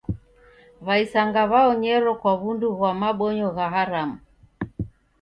W'aisanga w'aonyero kwa w'undu ghwa mabonyo gha haramu.